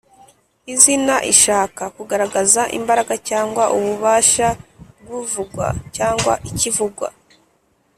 “izina” ishaka kugaragaza imbaraga cyangwa ububasha bw’uvugwa cyangwa ikivugwa